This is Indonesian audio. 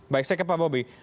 baik sekali pak bobi